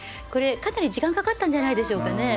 かなり時間かかったんじゃないでしょうか。